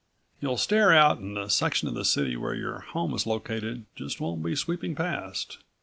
You'll stare out and the section of the city where your home is located just won't be sweeping past.